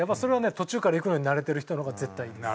途中からいくのに慣れてる人の方が絶対いいです。